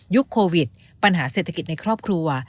โควิดปัญหาเศรษฐกิจในครอบครัว